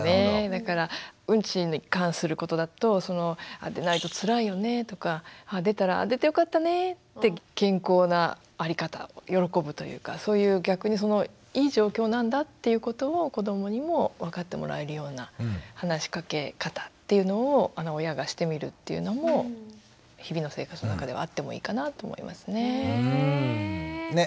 だからうんちに関することだと「出ないとつらいよね」とか出たら「出てよかったね」って健康な在り方を喜ぶというかそういう逆にいい状況なんだっていうことを子どもにも分かってもらえるような話しかけ方っていうのを親がしてみるっていうのも日々の生活の中ではあってもいいかなと思いますね。ね！